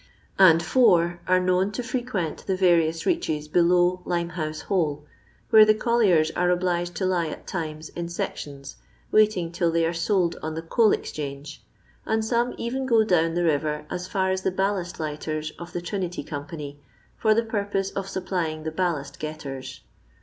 and i are known to fre quent the variooi reaches below liimehonse Hole, where the colliers are obliged to lie at times in seetionsi, waiting till they are sold on the Coal Bzchange, and aome eren go down the river as fiur as the ballaat lighters of the Trinity Company, for the purpeaa of supplying the ballast getters.